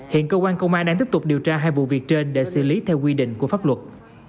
hiện cơ quan công an đang tiếp tục điều tra hai vụ việc trên để xử lý theo quy định của pháp luật